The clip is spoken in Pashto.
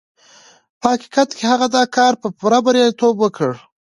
په حقيقت کې هغه دا کار په پوره برياليتوب وکړ.